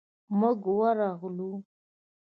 موږ ورغلو.